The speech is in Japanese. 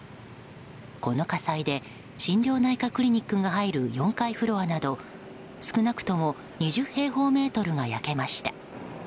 この火災で心療内科クリニックが入る４階フロアなど少なくとも２０平方メートルが焼けました。